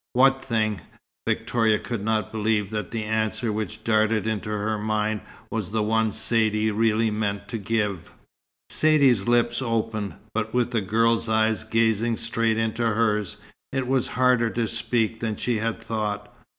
"What thing?" Victoria could not believe that the answer which darted into her mind was the one Saidee really meant to give. Saidee's lips opened, but with the girl's eyes gazing straight into hers, it was harder to speak than she had thought.